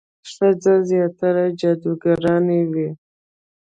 ښځې زیاتره جادوګرانې وي.